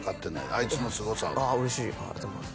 あいつのすごさをああ嬉しいありがとうございます